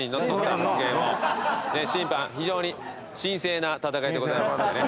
審判非常に神聖な戦いでございますのでね。